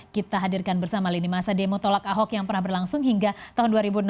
kita hadirkan bersama lini masa demo tolak ahok yang pernah berlangsung hingga tahun dua ribu enam belas